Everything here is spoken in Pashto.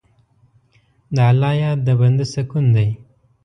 د الله یاد د بنده سکون دی.